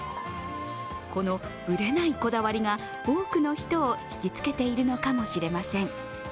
このぶれないこだわりが多くの人を引きつけているのかもしれません。